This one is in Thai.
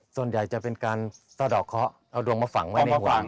ส่วนใหญ่จะเป็นการสะดอกเคาะเอาดวงมาฝังไว้ในหัว